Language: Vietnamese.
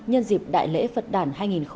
nhân dịp đại lễ phật đản hai nghìn hai mươi ba